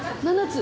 ７つ！